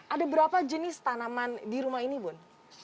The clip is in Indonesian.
ada berapa jenis tanaman di rumah ini bun